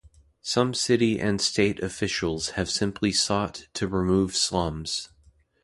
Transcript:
Some city and state officials have simply sought to remove slums.